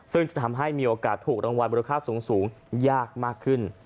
ซึ่งจะทำให้มีโอกาสถูกรางวัลมูลค่าสูงยากมากขึ้น